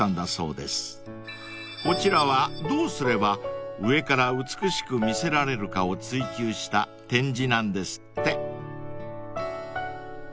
［こちらはどうすれば上から美しく見せられるかを追求した展示なんですって］